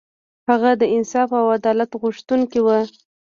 هغه د انصاف او عدالت غوښتونکی و.